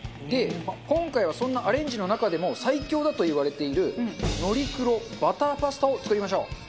で今回はそんなアレンジの中でも最強だといわれているのりクロバターパスタを作りましょう。